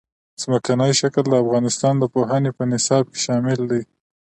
ځمکنی شکل د افغانستان د پوهنې په نصاب کې شامل دي.